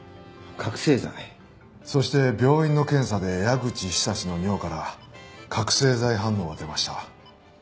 そして病院の検査で矢口久志の尿から覚醒剤反応が出ました。